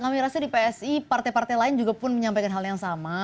kami rasa di psi partai partai lain juga pun menyampaikan hal yang sama